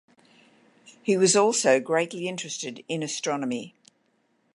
He was also greatly interested in astronomy.